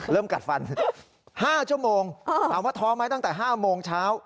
เริ่มกัดฟันห้าชั่วโมงอ่าถามว่าท้อไหมตั้งแต่ห้าโมงเช้า